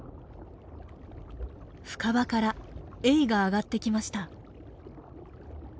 深場からエイが上がってきました。